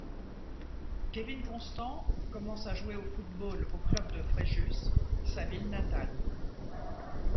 Kevin Constant commence à jouer au football au club de Fréjus, sa ville natale.